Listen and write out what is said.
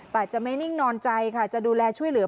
แต่จะไม่นิ่งนอนใจค่ะจะดูแลช่วยเหลือ